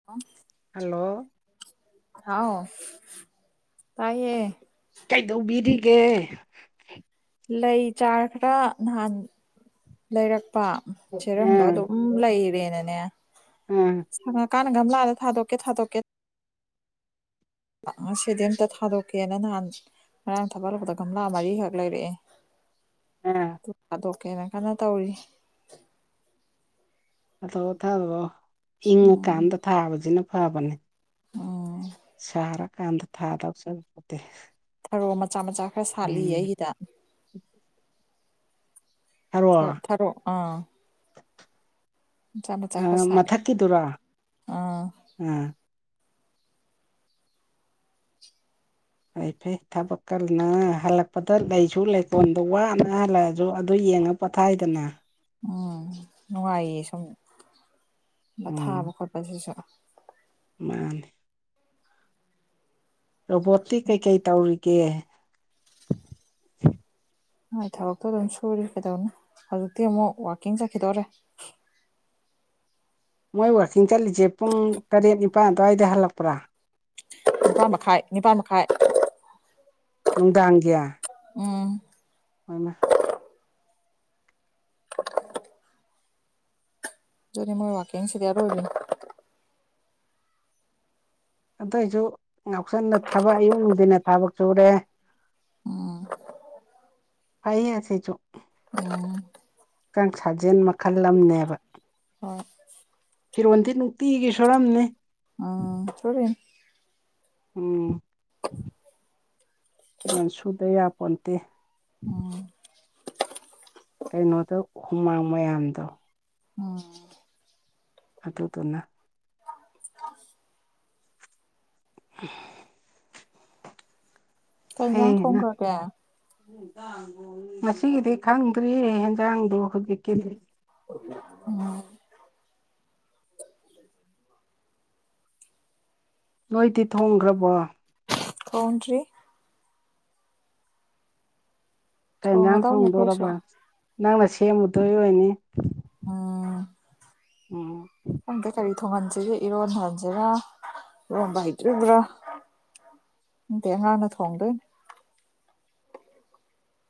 [unintelligible] Hello ꯍꯥꯎ ꯇꯥꯏꯌꯦ ꯀꯩꯗꯧꯕꯤꯔꯤꯒꯦ ꯂꯩ ꯆꯥꯔ ꯈꯔ ꯅꯍꯥꯟ ꯂꯩꯔꯛꯄ ꯆꯦꯔꯪꯗꯣ ꯑꯥ ꯑꯗꯨꯝ ꯂꯩꯔꯦꯅꯅꯦ ꯁꯪꯉꯀꯥꯟꯗ ꯒꯝꯂꯥꯗ ꯊꯥꯗꯣꯛꯀꯦ ꯊꯥꯗꯣꯛꯀꯦ ꯉꯁꯤꯗꯤ ꯑꯝꯇ ꯊꯥꯗꯣꯛꯀꯦꯅ ꯅꯍꯥꯟ ꯉꯔꯥꯡ ꯊꯥꯕꯛ ꯍꯂꯛꯄꯗ ꯒꯝꯂꯥ ꯃꯔꯤꯈꯛ ꯂꯩꯔꯛꯑꯦ ꯑꯥ ꯗꯨ ꯊꯥꯗꯣꯛꯀꯦꯅ ꯀꯟꯅ ꯇꯧꯔꯤ ꯊꯥꯗꯣꯛꯑꯣ ꯊꯥꯗꯣꯛꯑꯣ ꯏꯪꯉꯀꯥꯟꯗ ꯊꯥꯕꯁꯤꯅ ꯐꯕꯅꯦ ꯎꯝ ꯁꯥꯔꯀꯥꯟꯗ ꯊꯥꯗꯧ ꯁꯔꯨꯛꯄꯨꯗꯤ ꯊꯔꯣ ꯃꯆꯥ ꯃꯆꯥ ꯈꯔ ꯁꯥꯠꯂꯤꯌꯦ ꯎꯝ ꯑꯩꯒꯤꯗ ꯍꯥꯏꯔꯣ ꯊ ꯊꯥꯔꯣ ꯑꯥ ꯃꯆꯥ ꯃꯆꯥ ꯑ ꯈꯔ ꯁꯥꯠꯂꯤ ꯃꯊꯛꯀꯤꯗꯨꯔꯥ ꯑꯥ ꯑ ꯐꯩ ꯐꯩ ꯊꯕꯛꯀꯅ ꯍꯜꯂꯛꯄꯗ ꯂꯩꯁꯨ ꯂꯩꯀꯣꯜꯗꯣ ꯋꯥꯅ ꯂꯩꯖꯨ ꯑꯗꯨ ꯌꯦꯡꯉ ꯄꯣꯊꯥꯏꯗꯅ ꯎꯝ ꯅꯨꯡꯉꯥꯏꯌꯦ ꯁꯨꯝ ꯊꯥꯕ ꯈꯣꯠꯄꯁꯤꯁꯨ ꯃꯥꯅꯤ ꯔꯣꯕꯣꯠꯇꯤ ꯀꯩꯀꯩ ꯇꯧꯔꯤꯒꯦ ꯃꯥꯏ ꯊꯕꯛꯇꯣ ꯑꯗꯨꯝ ꯁꯨꯔꯤ ꯀꯩꯗꯧꯅꯤ ꯍꯧꯖꯤꯛꯇꯤ ꯑꯃꯨꯛ ꯋꯥꯛꯀꯤꯡ ꯆꯠꯈꯤꯗꯧꯔꯦ ꯃꯣꯏ ꯋꯥꯆꯤꯡ ꯆꯠꯂꯤꯖꯦ ꯄꯨꯡ ꯇꯔꯦꯠ ꯅꯤꯄꯥꯟ ꯗꯨꯋꯥꯏꯗ ꯍꯜꯂꯛꯄ꯭ꯔꯥ ꯅꯤꯄꯥꯥꯟ ꯃꯈꯥꯏ ꯅꯤꯄꯥꯥꯟ ꯃꯈꯥꯏ ꯅꯨꯡꯗꯥꯡꯒꯤ ꯎꯝ ꯋꯣꯏꯃꯥ ꯗꯨꯅꯤ ꯃꯣꯏ ꯋꯥꯛꯀꯤꯡꯁꯤꯗꯤ ꯑꯔꯣꯏꯕꯤꯅꯤ ꯑꯗꯣꯏꯖꯨ ꯉꯥꯎꯁꯟꯅ ꯊꯕꯛ ꯑꯌꯨꯛ ꯅꯨꯡꯗꯤꯟꯅ ꯊꯕꯛ ꯆꯨꯔꯦ ꯐꯩ ꯑꯁꯤꯆꯨ ꯎꯝ ꯍꯛꯆꯥꯡ ꯁꯥꯖꯦꯜ ꯃꯈꯜ ꯑꯝꯅꯦꯕ ꯍꯣꯏ ꯐꯤꯔꯣꯟꯗꯤ ꯅꯨꯡꯇꯤꯒꯤ ꯁꯨꯔꯝꯅꯤ ꯁꯨꯔꯤꯟ ꯎꯝ ꯐꯤꯔꯣꯟ ꯁꯨꯗ ꯌꯥꯄꯣꯟꯇꯦ ꯎꯝ ꯀꯩꯅꯣꯗ ꯍꯨꯃꯥꯡ ꯃꯌꯥꯝꯗꯣ ꯎꯝ ꯑꯗꯨꯗꯨꯅ ꯀꯩ ꯌꯦꯟꯁꯥꯡ ꯍꯌꯦꯡꯅ ꯊꯣꯡꯈ꯭ꯔꯒꯦ ꯉꯁꯤꯒꯤꯗꯤ ꯈꯪꯗ꯭ꯔꯤ ꯍꯦꯟꯖꯥꯡꯗꯨ ꯍꯨꯖꯤꯛꯀꯤꯗꯤ ꯎꯝ ꯅꯣꯏꯇꯤ ꯊꯣꯡꯒ꯭ꯔꯕꯣ ꯊꯣꯡꯗ꯭ꯔꯤ ꯀꯩ ꯏꯟꯖꯥꯡ ꯊꯣꯡꯉꯗꯧꯅꯤ ꯑꯩꯈꯣꯏꯁꯨ ꯊꯣꯡꯗꯣꯔꯕ ꯅꯪꯅ ꯁꯦꯝꯃꯨꯗꯣꯏ ꯑꯣꯏꯅꯤ ꯑ ꯎꯝ ꯈꯪꯗꯦ ꯀꯔꯤ ꯊꯣꯡꯍꯟꯖꯤꯒꯦ ꯏꯔꯣꯟ ꯍꯟꯁꯤꯔ ꯏꯔꯣꯝꯕ ꯍꯩꯇ꯭ꯔꯤꯎꯕ꯭ꯔꯥ ꯗꯦ ꯑꯉꯥꯡꯅ ꯊꯣꯡꯗꯣꯏꯟ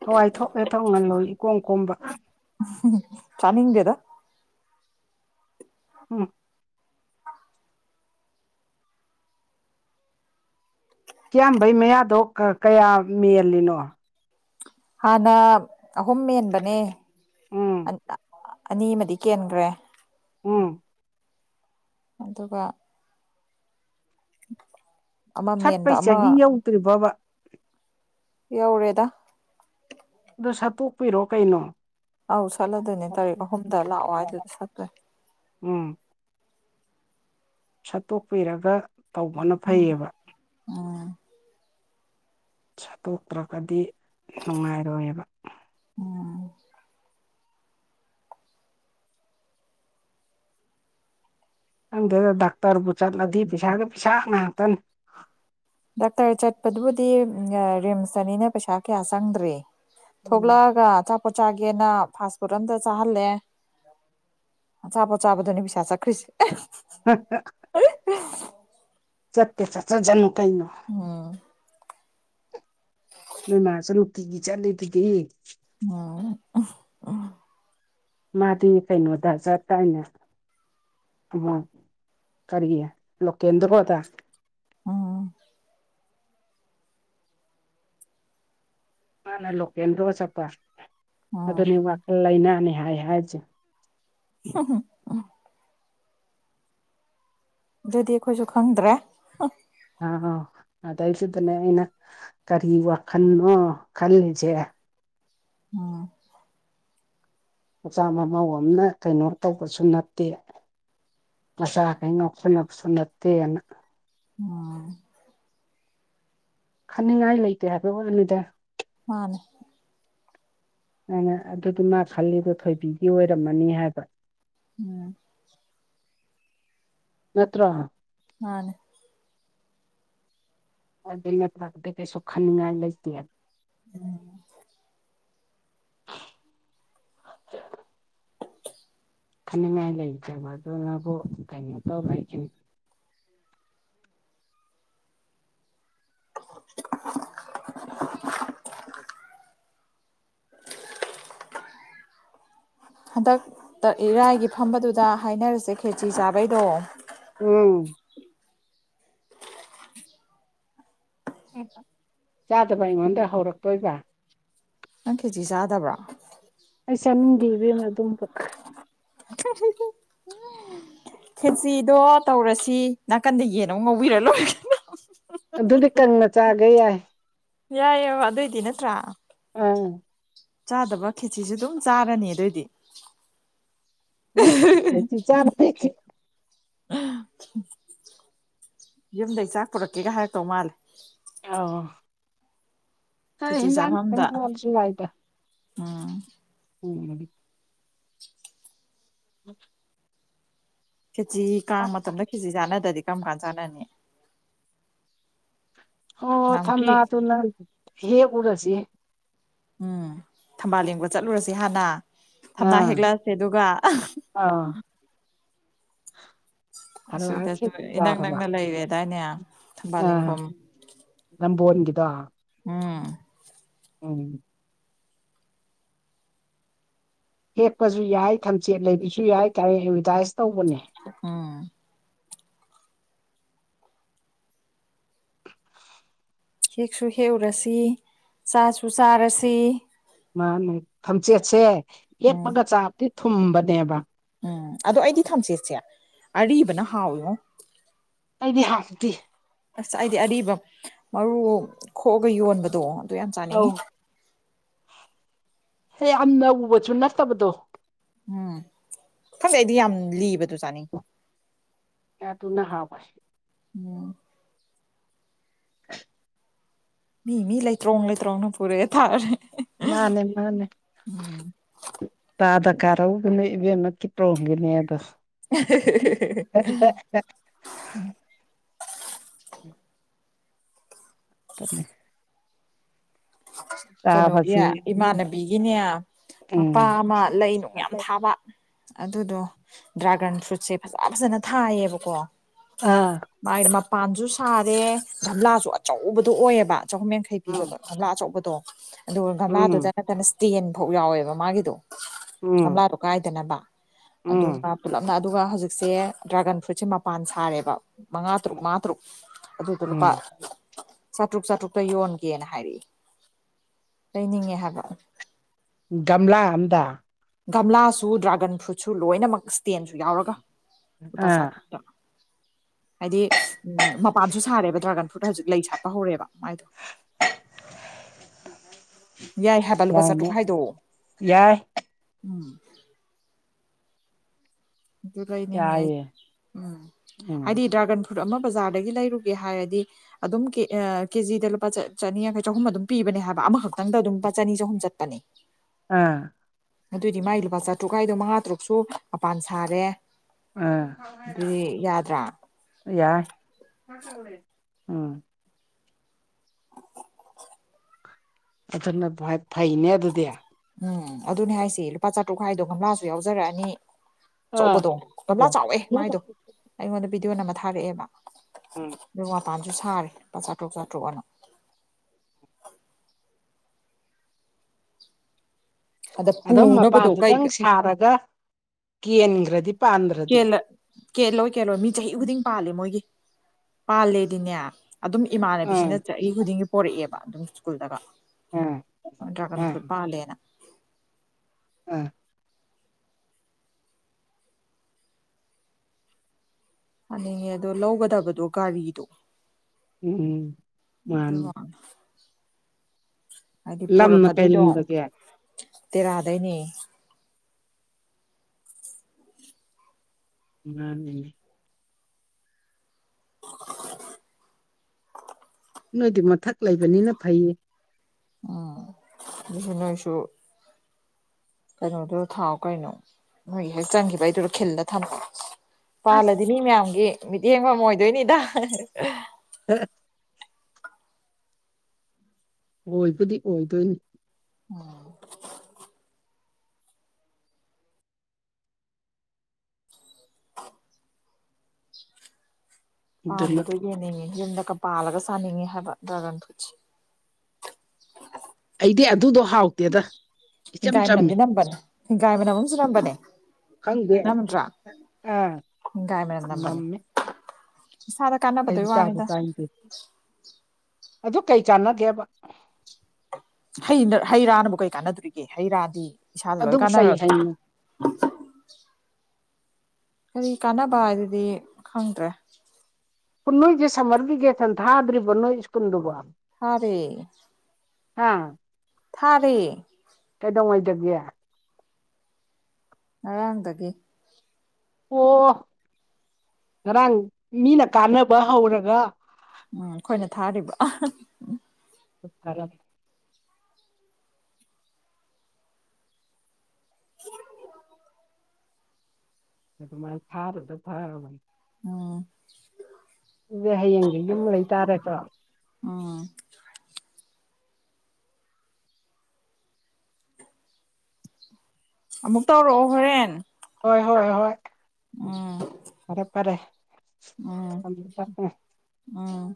ꯍꯋꯥꯏ ꯊꯣꯛ ꯍꯦꯛ ꯊꯣꯡꯍꯜꯂꯣ ꯏꯀꯣꯝ ꯀꯣꯝꯕ ꯆꯥꯅꯤꯡꯗꯦꯗ ꯎꯝ ꯀ꯭ꯌꯥꯝꯕꯩ ꯃꯌꯥꯗꯣ ꯀ ꯀꯌꯥ ꯃꯦꯜꯂꯤꯅꯣ ꯍꯥꯟꯅ ꯑꯍꯨꯝ ꯃꯦꯟꯕꯅꯦ ꯎꯝ ꯑꯅꯤꯃꯗꯤ ꯀꯦꯟꯒ꯭ꯔꯦ ꯎꯝ ꯑꯗꯨꯒ [inaudible] ꯃꯦꯟꯕ ꯆꯠꯄꯩ ꯑꯃ ꯆꯍꯤ ꯌꯧꯗ꯭ꯔꯤꯕꯕ ꯌꯧꯔꯦꯗ ꯑꯗꯨ ꯁꯠꯇꯣꯛꯄꯤꯔꯣ ꯀꯩꯅꯣ ꯑꯧ ꯁꯠꯂꯗꯣꯏꯅꯦ ꯇꯥꯔꯤꯛ ꯑꯍꯨꯝꯗ ꯂꯥꯛꯑꯣ ꯍꯥꯏꯗꯨꯗꯤ ꯁꯠꯇꯣꯏꯅꯦ ꯎꯝ ꯁꯠꯇꯣꯛꯄꯤꯔꯒ ꯇꯧꯕꯅ ꯐꯩꯌꯦꯕ ꯑ ꯇꯣꯛꯇ꯭ꯔꯒꯗꯤ ꯅꯨꯡꯉꯥꯏꯔꯣꯏꯑꯕ ꯎꯝ ꯈꯪꯗꯦꯗ ꯗꯥꯛꯇꯔꯕꯨ ꯆꯠꯂꯗꯤ ꯄꯩꯁꯥꯒꯤ ꯄꯩꯁꯥ ꯉꯥꯛꯇꯅꯤ ꯗꯥꯛꯇꯔ ꯆꯠꯄꯗꯨꯕꯨꯗꯤ ꯎꯝ ꯑ ꯔꯤꯝꯁꯇꯅꯤꯅ ꯄꯩꯁꯥ ꯀꯌꯥ ꯆꯪꯗ꯭ꯔꯦ ꯊꯣꯛꯂꯛꯑꯒ ꯑꯆꯥꯄꯣꯠ ꯆꯥꯒꯦꯅ ꯐꯥꯁꯐꯨꯗ ꯑꯝꯗ ꯆꯥꯍꯜꯂꯦ ꯑꯆꯥꯄꯣꯠ ꯆꯥꯕꯗꯨꯅꯤ ꯄꯩꯁꯥ ꯆꯠꯈ꯭ꯔꯤꯖꯤ [unintelligible] [unintelligible] ꯆꯠꯀꯦ ꯆꯠꯆꯖꯅꯨ ꯀꯩꯅꯣ ꯎꯝ ꯅꯣꯏ ꯃꯥꯖꯨ ꯅꯨꯡꯇꯤꯒꯤ ꯆꯠꯂꯤꯗꯨꯗꯤ ꯃꯥꯎ ꯃꯥꯗꯤ ꯀꯩꯅꯣꯗ ꯆꯠꯇꯥꯏꯅꯦ ꯇꯨꯕ ꯀꯔꯤꯌꯦ ꯂꯣꯀꯦꯟꯗ꯭ꯔꯣꯗ ꯎꯝ ꯃꯥꯅ ꯂꯣꯀꯦꯟꯗ꯭ꯔꯣ ꯆꯠꯄ ꯎꯝ ꯑꯗꯨꯅꯤ ꯋꯥꯈꯜ ꯂꯥꯏꯅꯥꯅꯦ ꯍꯥꯏ ꯍꯥꯏꯖꯦ ꯍ ꯍ ꯑꯗꯨꯗꯤ ꯑꯈꯣꯏꯖꯨ ꯈꯪꯗ꯭ꯔꯦ ꯑ ꯑꯧ ꯑꯗꯩꯗꯨꯗꯅꯦ ꯑꯩꯅ ꯀꯔꯤ ꯋꯥꯈꯟꯅꯣ ꯈꯜꯂꯤꯖꯦ ꯎꯝ ꯃꯆꯥ ꯃꯃꯧ ꯑꯝꯅ ꯀꯩꯅꯣ ꯇꯧꯕꯁꯨ ꯅꯠꯇꯦ ꯃꯁꯥꯈꯩ ꯉꯥꯎꯁꯟꯅꯕꯁꯨ ꯅꯠꯇꯦꯅ ꯑꯥ ꯈꯟꯅꯤꯡꯉꯥꯏ ꯂꯩꯇꯦ ꯍꯥꯏꯕꯩ ꯋꯥꯅꯤꯗꯥ ꯃꯥꯅꯦ ꯑꯩꯅ ꯑꯗꯨꯗꯤ ꯃꯥ ꯈꯜꯂꯤꯗꯣ ꯊꯣꯏꯕꯤꯒꯤ ꯑꯣꯏꯔꯝꯃꯅꯤ ꯍꯥꯏꯕ ꯎꯝ ꯅꯠꯇ꯭ꯔ ꯃꯥꯅꯤ ꯑꯗꯨ ꯅꯠꯇꯔ꯭ꯒꯗꯤ ꯀꯩꯁꯨꯨ ꯈꯟꯅꯤꯡꯉꯥꯏ ꯂꯩꯇꯦꯕ ꯎꯝ ꯈꯟꯅꯤꯡꯉꯥꯏ ꯂꯩꯇꯕ ꯑꯗꯨꯅꯕꯨ ꯀꯩꯅꯣ ꯇꯧ ꯍꯥꯏꯈꯤꯝ꯫ [inaudible] ꯍꯟꯗꯛꯇ ꯏꯔꯥꯏꯒꯤ ꯐꯝꯕꯗꯨꯗ ꯍꯥꯏꯅꯔꯁꯦ ꯈꯦꯆꯤ ꯆꯥꯕꯩꯗꯣ꯫ ꯎꯝ ꯎ ꯆꯥꯗꯕ ꯑꯩꯉꯣꯟꯗ ꯍꯧꯔꯛꯇꯣꯏꯕ꯫ ꯅꯪ ꯈꯦꯆꯤ ꯆꯥꯗꯕ꯭ꯔꯣ꯫ ꯑꯩ ꯆꯥꯅꯤꯡꯗꯦ ꯏꯕꯦꯝꯃ ꯑꯗꯨꯝꯕꯀ [inaudible] ꯈꯦꯆꯤꯗꯣ ꯇꯧꯔꯁꯤ ꯅꯥꯀꯟꯗ ꯌꯦꯟ ꯑꯃ ꯉꯧꯕꯤꯔꯥ ꯂꯣꯏ ꯀꯩ ꯑꯗꯨꯅꯦ ꯀꯪꯅ ꯆꯥꯒꯦ ꯌꯥꯏ꯫ ꯌꯥꯏꯌꯦꯕ ꯑꯗꯨꯏꯗꯤ ꯅꯠꯇ꯭ꯔꯥ꯫ ꯑ ꯆꯥꯗꯕ ꯈꯦꯆꯤꯁꯨꯦ ꯑꯗꯨꯝ ꯆꯥꯔꯅꯤ ꯑꯗꯨꯏꯗꯤ꯫ ꯎꯝ ꯈꯦꯆꯤ ꯆ [unintelligible] [inaudible] ꯌꯨꯝꯗꯩ ꯆꯥꯛ ꯄꯨꯔꯛꯀꯦꯒ ꯍꯥꯏꯔꯛꯇꯧ ꯃꯥꯜꯂꯤ ꯑꯧ ꯍꯩ ꯈꯦꯆꯤ ꯏꯟꯖꯥꯡ ꯈꯤꯇꯡ ꯆꯥꯐꯝꯗ [unintelligible] ꯌꯥꯏꯇ ꯎꯝ ꯎꯝ ꯎꯝ ꯈꯦꯆꯤ ꯀꯥꯡ ꯃꯇꯝꯗ ꯈꯦꯆꯤ ꯆꯥꯟꯅꯗ꯭ꯔꯗꯤ ꯀꯔꯝ ꯀꯥꯟ ꯆꯥꯟꯅꯅꯤ꯫ ꯑꯣ ꯅꯍꯥꯟꯃꯨꯛꯀꯤ ꯊꯝꯅꯥ ꯗꯨꯅ ꯍꯦꯛꯎꯔꯖꯤ ꯎꯝ ꯊꯝꯕꯥꯜ ꯂꯦꯡꯕ ꯆꯠꯂꯨꯔꯁꯤ ꯍꯥꯟꯅ ꯊꯝꯅꯥ ꯑꯥ ꯍꯦꯛꯂꯛꯑꯁꯦ ꯗꯨꯒꯥ꯫ ꯑꯥ ꯍꯜꯂꯛꯑ ꯑꯁꯤꯗꯁꯨ ꯈꯦꯆꯤ ꯏꯅꯛ ꯆꯥꯔꯕ ꯅꯛꯅ ꯂꯩꯔꯦꯗꯥꯏꯅꯦ ꯊꯝꯕꯥꯜ ꯌꯦꯡꯕꯝ ꯫ ꯅꯝꯕꯣꯟꯒꯤꯗꯣ ꯎꯝ ꯎꯝ ꯍꯦꯛꯄꯖꯨ ꯌꯥꯏ ꯊꯝꯆꯦꯠ ꯂꯩꯕꯖꯨ ꯌꯥꯏ ꯀꯥꯏꯔ ꯑꯦꯗꯚꯔꯇꯥꯏꯁ ꯇꯧꯕꯅꯦ ꯎꯝ ꯍꯦꯛꯁꯨ ꯍꯦꯛꯎꯔꯁꯤ ꯆꯥꯁꯨ ꯆꯥꯔꯁꯤ꯫ ꯃꯥꯅꯤ ꯊꯝꯆꯦꯠꯁꯦ ꯎꯝ ꯍꯦꯛꯄꯒ ꯆꯥꯕꯇꯤ ꯊꯨꯝꯕꯅꯦꯕ꯫ ꯎꯝ ꯑꯗꯣ ꯑꯩꯗꯤ ꯊꯝꯆꯦꯠꯁꯦ ꯑꯔꯤꯕꯅ ꯍꯥꯎꯋꯤꯉꯣ꯫ ꯑꯩꯗꯤ ꯍꯥꯥꯎꯇꯦ ꯑꯁ ꯑꯩꯗꯤ ꯑꯔꯤꯕ ꯃꯔꯨ ꯈꯣꯛꯑꯒ ꯌꯣꯟꯕꯗꯣ ꯑꯗꯨ ꯌꯥꯝ ꯑꯧ ꯆꯥꯅꯤꯡꯉꯤ꯫ ꯍꯦ ꯌꯥꯝꯅ ꯎꯕꯁꯨ ꯅꯠꯇꯕꯗꯣ ꯎꯝ ꯈꯪꯗꯦ ꯑꯩꯗꯤ ꯌꯥꯝ ꯂꯤꯕꯗꯨ ꯆꯥꯅꯤꯡꯤ ꯌꯥ ꯑꯗꯨꯅ ꯍꯥꯎꯕꯅꯧ ꯑꯣ ꯐ ꯃꯤ ꯃꯤ ꯂꯩ ꯇ꯭ꯔꯣꯡꯅ ꯂꯩ ꯇ꯭ꯔꯣꯣꯡꯅ ꯄꯨꯔꯦ ꯊꯥꯔꯦ ꯃꯥꯅꯦ ꯃꯥꯅꯦ ꯇꯥꯗ ꯀꯥꯔꯎꯒꯅꯦ ꯏꯕꯦꯝꯅꯀꯤ ꯄ꯭ꯔꯣꯝꯒꯤꯅꯦ ꯑꯗꯣ : ꯎꯝ ꯎꯅꯤ [unintelligible] ꯀꯩꯅꯣꯒꯤ ꯆꯥꯕꯁꯤ ꯏꯃꯥꯟꯅꯕꯤꯒꯤꯅꯦ ꯃꯄꯥ ꯎꯝ ꯑꯃ ꯂꯩ ꯅꯨꯡ ꯌꯥꯝ ꯊꯥꯕ ꯑꯗꯨꯗꯣ ꯗ꯭ꯔꯥꯒꯟ ꯐ꯭ꯔꯨꯠꯁꯦ ꯐꯖ ꯐꯖꯅ ꯊꯥꯏꯌꯦꯕꯀꯣ ꯑꯥ ꯃꯥꯒꯤ ꯃꯄꯥꯟꯁꯨ ꯁꯥꯔꯦ ꯒꯝꯂꯥꯁꯨ ꯑꯆꯧꯕꯗꯣ ꯑꯣꯏꯌꯦꯕ ꯆꯍꯨꯝ ꯌꯥꯡꯈꯩ ꯄꯤꯕꯗꯣ ꯎꯝ ꯒꯝꯂꯥ ꯑꯆꯧꯕꯗꯣ ꯑꯗꯨꯒ ꯒꯝꯂꯥꯗꯨꯗ ꯎꯝ ꯅꯠꯇꯅ ꯁ꯭ꯇꯦꯟꯐꯧ ꯌꯥꯎꯋꯦꯕ ꯃꯥꯒꯤꯗꯣ ꯎꯝ ꯒꯝꯂꯥꯗꯣ ꯀꯥꯏꯗꯅꯕ ꯑꯗꯨꯒ ꯎꯝ ꯄꯨꯂꯞꯅ ꯑꯗꯨꯒ ꯍꯧꯖꯤꯛꯁꯦ ꯗ꯭ꯔꯥꯒꯟ ꯐ꯭ꯔꯨꯏꯠꯁꯦ ꯃꯄꯥꯟ ꯁꯥꯔꯦꯕ ꯃꯉꯥ ꯇꯔꯨꯛ ꯃꯉꯥ ꯇꯔꯨꯛ ꯑꯗꯨꯗꯣ ꯂꯨꯄꯥ ꯎꯝ ꯆꯥꯇ꯭ꯔꯨꯛ ꯆꯥꯇ꯭ꯔꯨꯛꯇ ꯌꯣꯟꯒꯦꯅ ꯍꯥꯏꯔꯛꯏ ꯂꯩꯅꯤꯡꯉꯦ ꯍꯥꯏꯕ ꯒꯝꯂꯥ ꯑꯝꯗ ꯒꯝꯂꯥꯁꯨ ꯗ꯭ꯔꯥꯒꯟ ꯐ꯭ꯔꯨꯠꯁꯨ ꯂꯣꯏꯅꯃꯛ ꯇꯦꯟꯁꯨ ꯌꯥꯎꯔꯒ ꯂꯨꯄꯥ ꯑꯥ ꯆꯥꯇ꯭ꯔꯨꯛꯇ ꯍꯥꯏꯗꯤ ꯎꯝ ꯃꯄꯥꯟꯁꯨ ꯁꯥꯔꯦꯕ ꯗ꯭ꯔꯥꯒꯟ ꯐ꯭ꯔꯨꯠꯇ ꯍꯧꯖꯤꯛ ꯂꯩ ꯁꯥꯠꯄ ꯍꯧꯔꯦꯕ ꯃꯥꯏꯗꯣ ꯌꯥꯏ ꯍꯥꯏꯕ ꯂꯨꯄꯥ ꯆꯥꯇ꯭ꯔꯨꯛ ꯌꯥꯏꯅꯦ ꯍꯥꯏꯗꯣ ꯌꯥꯏ ꯎꯝ ꯂꯩꯅꯤꯡꯑꯦ ꯌꯥꯏꯌꯦ ꯑꯩꯗꯤ ꯎꯝ ꯎꯝ ꯍꯥꯏꯗꯤ ꯗ꯭ꯔꯥꯒꯟ ꯈꯨꯠ ꯑꯃ ꯕꯖꯥꯔꯗꯒꯤ ꯂꯩꯔꯨꯒꯦ ꯍꯥꯏꯔꯗꯤ ꯑꯗꯨꯝ ꯀ ꯀꯦꯖꯤꯗ ꯂꯨꯄꯥ ꯆꯅꯤ ꯌꯥꯡꯈꯩ ꯆꯍꯨꯝ ꯑꯗꯨꯝ ꯄꯤꯕꯅꯦ ꯍꯥꯏꯕ ꯑꯃꯈꯛꯇꯪꯗ ꯑꯗꯨꯝ ꯂꯨꯄꯥ ꯆꯅꯤ ꯆꯍꯨꯝ ꯆꯠꯄꯅꯤ ꯑꯥ ꯑꯗꯨꯑꯣꯏꯗꯤ ꯃꯥꯒꯤ ꯂꯨꯄꯥ ꯆꯥꯇ꯭ꯔꯨꯛ ꯍꯥꯏꯥꯏꯗꯣ ꯃꯉꯥ ꯇꯔꯨꯛꯁꯨ ꯃꯄꯥꯟ ꯁꯥꯔꯦ ꯑꯗꯨꯗꯤ ꯑꯝ ꯌꯥꯗ꯭ꯔꯥ ꯌꯥꯏ ꯎꯝ ꯑꯗꯨꯅ ꯐꯩꯅꯦ ꯑꯗꯨꯗꯤ ꯎꯝ ꯑꯗꯨꯅꯦ ꯍꯥꯏꯁꯤ ꯂꯨꯄꯥ ꯆꯥꯇ꯭ꯔꯨꯛ ꯈꯥꯏꯗꯣ ꯒꯝꯂꯥꯁꯨ ꯌꯥꯎꯖꯔꯛꯑꯅꯤ ꯑꯥ ꯑꯆꯧꯕꯗꯣ ꯒꯝꯂꯥ ꯆꯥꯎꯋꯦ ꯃꯥꯏꯗꯣ ꯑꯩꯉꯣꯟꯗ ꯚꯤꯗꯤꯑꯣꯅ ꯑꯃ ꯊꯥꯔꯛꯑꯦꯕ ꯎꯝ ꯑꯗꯨ ꯃꯄꯥꯟꯁꯨ ꯁꯥꯔꯦꯄꯥ ꯆꯥꯇ꯭ꯔꯨꯛ ꯆꯥꯇ꯭ꯔꯨꯛ ꯑꯅꯨ ꯑꯗ ꯑꯗꯨꯝ ꯄꯨꯅꯕꯗꯣ ꯃꯄꯥꯟꯗꯨꯇꯪ ꯀꯩ ꯁꯥꯔꯒ ꯀꯦꯟꯈ꯭ꯔꯗꯤ ꯀꯦꯜꯂꯣꯏ ꯀꯦꯜꯂꯣꯏ ꯃꯤ ꯆꯍꯤ ꯈꯨꯗꯤꯡ ꯄꯥꯜꯂꯦ ꯃꯣꯏꯒꯤ ꯄꯥꯜꯂꯦꯗꯤꯅꯦ ꯑꯗꯨꯝ ꯑꯥ ꯏꯃꯥꯟꯅꯕꯤꯁꯤꯅ ꯆꯍꯤ ꯈꯨꯗꯤꯡꯒꯤ ꯄꯣꯔꯛꯑꯦꯕ ꯑꯗꯨꯝ ꯁ꯭ꯀꯨꯜꯗꯒ ꯑꯥ ꯗ꯭ꯔꯥꯒꯟ ꯑꯥ ꯐ꯭ꯔꯨꯠ ꯄꯥꯂꯦꯅ ꯎꯝ ꯍꯥꯏꯅꯤꯡꯉꯦ ꯑꯗꯣ ꯂꯧꯒꯗꯕꯗꯣ ꯒꯥꯔꯤꯗꯣ ꯎꯝ ꯑꯗꯨ ꯃꯥꯅꯤ ꯂꯝꯃ ꯀꯩ ꯂꯝꯗꯒꯤ ꯇꯦꯔꯥ ꯗꯩꯅꯦ ꯃꯥꯅꯤ ꯅꯣꯏꯗꯤ ꯃꯊꯛ ꯂꯩꯕꯅꯤꯅ ꯐꯩꯌꯦ ꯑꯥ [unintelligible] ꯅꯣꯏꯁꯨ ꯀꯩꯅꯣꯗꯣ ꯊꯥꯎ ꯀꯩꯅꯣ ꯃꯣꯏ ꯍꯦꯛ ꯆꯪꯒꯤꯕꯩ ꯗꯨꯗꯥ ꯈꯤꯜꯂꯥ ꯊꯝ ꯑꯁ ꯄꯥꯜꯂꯗꯤ ꯃꯤ ꯃꯌꯥꯝꯒꯤ ꯃꯤꯠꯌꯦꯡꯕꯝ ꯑꯣꯏꯗꯣꯏꯅꯤꯗꯥ [unintelligible] ꯑꯣꯏꯕꯨꯗꯤ ꯑꯣꯏꯗꯣꯏꯅꯤ ꯑꯣ ꯑꯗꯨꯅ ꯄꯥꯟꯕꯗꯣ ꯌꯦꯡꯅꯤꯡꯉꯦ ꯌꯨꯝꯗꯒ ꯄꯥꯜꯂꯒ ꯆꯥꯅꯤꯡꯉꯦ ꯍꯥꯏꯕ ꯗ꯭ꯔꯥꯒꯟ ꯐ꯭ꯔꯨꯏꯠꯁꯦ ꯑꯩꯗꯤ ꯑꯗꯨꯗꯣ ꯍꯥꯎ ꯍꯤꯡꯒꯥꯏ ꯃꯅꯝꯗꯤ ꯅꯝꯕꯅꯦ ꯍꯤꯡꯒꯥꯏ ꯃꯅꯝ ꯑꯝꯖꯨ ꯅꯝꯕꯅꯦ ꯈꯪꯗꯦ ꯅꯝꯗ꯭ꯔꯥ ꯑꯥ ꯍꯤꯡꯒꯥꯏ ꯃꯅꯝ ꯅꯝꯕꯅꯦ ꯅꯝꯃꯦ ꯏꯁꯥꯗ ꯑꯩꯗꯤ ꯀꯥꯟꯅꯕꯗꯨꯏ ꯆꯥꯁꯨ ꯋꯥꯅꯤꯗ ꯆꯥꯅꯤꯡꯗꯦ ꯑꯗꯨ ꯀꯩ ꯆꯥꯟꯅꯒꯦꯕ ꯍꯩꯅ ꯍꯩ ꯔꯥꯅꯕꯨ ꯀꯩ ꯀꯥꯟꯅꯗꯨꯔꯤꯒꯦ ꯍꯩ ꯔꯥꯗꯤ ꯏꯁꯥꯗ ꯂꯣꯏ ꯑꯗꯨꯕꯨ ꯀꯩ ꯀꯥꯟꯅꯔꯗ꯭ꯔꯣ ꯍꯥꯏꯅ ꯀꯔꯤ ꯀꯥꯟꯅꯕ ꯍꯥꯏꯗꯨꯗꯤ ꯈꯪꯗ꯭ꯔꯦ ꯈꯨꯟ ꯅꯣꯏꯖꯦ ꯁꯝꯃꯔ ꯕꯤꯒꯦꯊꯟ ꯊꯥꯗ꯭ꯔꯤꯕ ꯅꯣꯏ ꯁ꯭ꯀꯨꯜꯗꯨꯕꯣ ꯊꯥꯔꯦ ꯍꯥ ꯊꯥꯔꯦ ꯀꯩꯗꯧꯉꯩꯗꯒꯤ ꯉꯔꯥꯡꯗꯒꯤ ꯑꯣ ꯉꯔꯥꯡ ꯃꯤꯅ ꯀꯥꯟꯅꯕ ꯍꯧꯔꯒ ꯎꯝ ꯈꯣꯏꯅ ꯊꯥꯔꯤꯕ [unintelligible] [inaudible] ꯑꯗꯨꯃꯥꯥꯏꯅ ꯊꯥꯔꯤꯗꯣ ꯐꯔꯕꯅꯤ ꯎꯝ ꯑꯗꯨ ꯍꯌꯦꯡꯖꯦ ꯌꯨꯝ ꯂꯩ ꯇꯥꯔꯥ ꯇ꯭ꯔꯣ ꯑꯥ ꯑꯃꯨꯛ ꯇꯧꯔꯛꯑꯣ ꯍꯣꯔꯦꯟ ꯍꯣꯏ ꯍꯣꯏ ꯍꯣꯏ ꯎꯝ ꯄꯔꯦ ꯄꯔꯦ ꯎꯝ ꯎꯝ